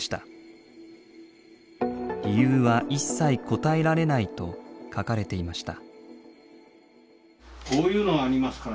理由は一切答えられないと書かれていました。